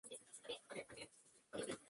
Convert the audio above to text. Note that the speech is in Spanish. Su sucesor fue Thomas C. Hubbard.